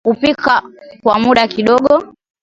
kupika kwa muda kidogo